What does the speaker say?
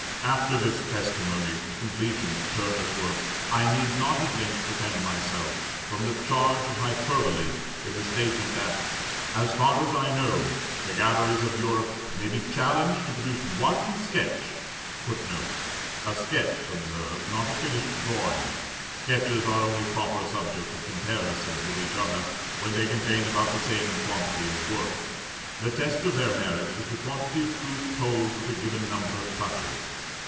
"After this testimony to the completion of Turner's work, I need not at length defend myself from the charge of hyperbole in the statement that, 'as far as I know, the galleries of Europe may be challenged to produce one sketch [footnote: A sketch, observe, not a finished drawing. Sketches are only proper subjects of comparison with each other when they contain about the same quantity of work: the test of their merit is the quantity of truth told with a given number of touches.